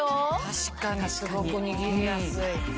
確かにすごく握りやすい。